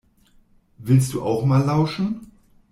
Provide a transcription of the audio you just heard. Willst du auch mal lauschen?